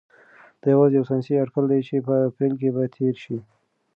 دا یوازې یو ساینسي اټکل دی چې په اپریل کې به تیره شي.